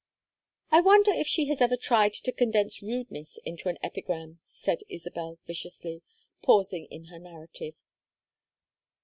"I wonder if she has ever tried to condense rudeness into an epigram," said Isabel viciously, pausing in her narrative.